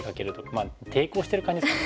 まあ抵抗してる感じですかね。